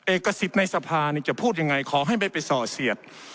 เอกสิทธิ์ในสภาจะพูดยังไงขอให้ไม่ไปส่อเสียด